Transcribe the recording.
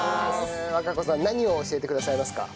和香子さん何を教えてくださいますか？